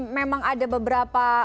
memang ada beberapa